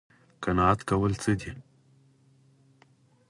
قناعت کول څه دي؟